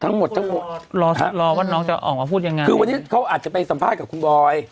ทั้งหมดทั้งหมดรอว่าน้องจะออกมาพูดยังไงคือวันนี้เขาอาจจะไปสัมภาษณ์กับคุณบอย